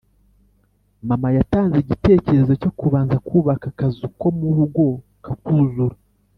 mama yatanze igitekerezo cyo kubanza kubaka akazu ko mu rugo, kakuzura